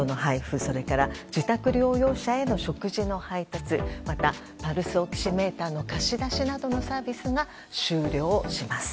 それから、自宅療養者への食事の配達また、パルスオキシメーターの貸し出しなどのサービスが終了します。